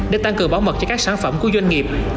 để tăng cường bảo mật cho các sản phẩm của doanh nghiệp